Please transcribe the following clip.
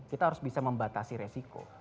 kita harus bisa membatasi resiko